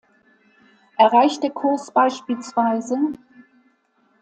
Erreicht der Kurs bspw.